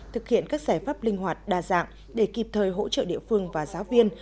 thực hiện các giải pháp linh hoạt đa dạng để kịp thời hỗ trợ địa phương và giáo viên